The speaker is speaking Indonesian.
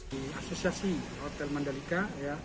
di asosiasi hotel madalika